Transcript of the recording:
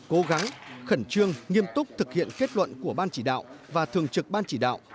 cố gắng khẩn trương nghiêm túc thực hiện kết luận của ban chỉ đạo và thường trực ban chỉ đạo